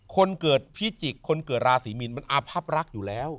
คนเกิดพิจิกษ์คนเกิดราศีมีนมันอาพับรักอยู่แล้ว